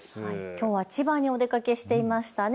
きょうは千葉にお出かけしていましたね。